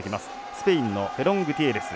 スペインのフェロングティエレス。